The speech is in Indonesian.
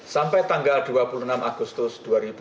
sampai tanggal dua puluh enam agustus dua ribu dua puluh